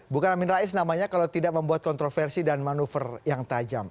bukan amin rais namanya kalau tidak membuat kontroversi dan manuver yang tajam